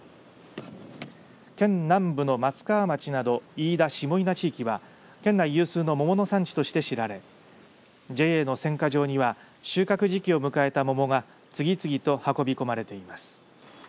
県南部の松川町など飯田下伊那地域は県内有数の桃の産地として知られＪＡの選果場には収穫時期を迎えた桃が次々と運び込まれています。